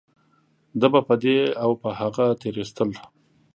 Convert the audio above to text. ده به په دې او په هغه تېرويستل .